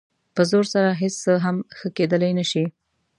په زور سره هېڅ څه هم ښه کېدلی نه شي.